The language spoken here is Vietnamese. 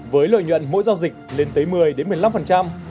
với lợi nhuận mỗi giao dịch lên tới một mươi một mươi năm